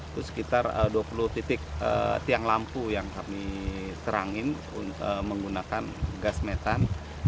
itu sekitar dua puluh titik tiang lampu yang kami serangin menggunakan gas metan